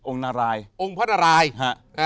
องพระนารายย์